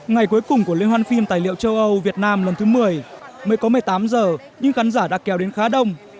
ngày cuối cùng của liên hoan phim tài liệu châu âu việt nam lần thứ một mươi mới có một mươi tám giờ nhưng khán giả đã kéo đến khá đông